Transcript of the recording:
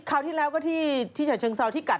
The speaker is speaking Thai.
คราวที่แล้วก็ที่ฉะเชิงเซาที่กัด